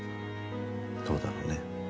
どうだろうね。